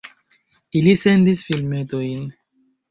Ili sendis filmetojn.